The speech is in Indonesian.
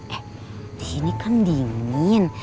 eh di sini kan dingin